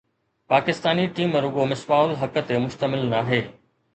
Pakistani team رڳو مصباح الحق تي مشتمل ناهي